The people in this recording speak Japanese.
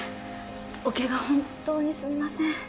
おケガ本っ当にすみません。